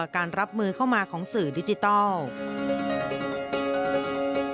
การรับมือเข้ามาของสื่อดิจิทัล